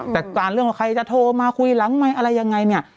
แต่การเรื่องว่าใครจะโทรมาคุยหลังไมค์อะไรยังไงเนี่ย